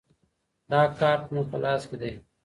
دا کارت مو په لاس کې دی.